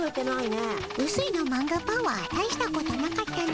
うすいのマンガパワーたいしたことなかったの。